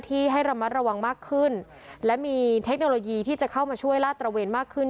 ให้ระมัดระวังมากขึ้นและมีเทคโนโลยีที่จะเข้ามาช่วยลาดตระเวนมากขึ้น